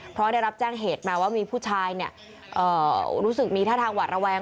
เพราะได้รับแจ้งเหตุมาว่ามีผู้ชายรู้สึกมีท่าทางหวัดระแวง